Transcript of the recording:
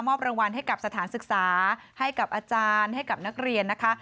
รางวัลให้กับสถานศึกษาให้กับอาจารย์ให้กับนักเรียนนะคะ